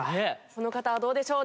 この方はどうでしょう？